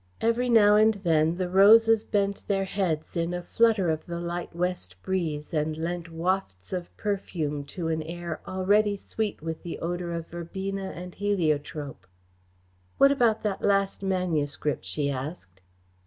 Every now and then the roses bent their heads in a flutter of the light west breeze and lent wafts of perfume to an air already sweet with the odour of verbena and heliotrope. "What about that last manuscript?" she asked.